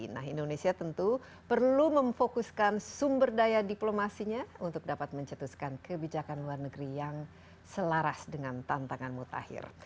nah indonesia tentu perlu memfokuskan sumber daya diplomasinya untuk dapat mencetuskan kebijakan luar negeri yang selaras dengan tantangan mutakhir